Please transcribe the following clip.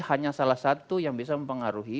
hanya salah satu yang bisa mempengaruhi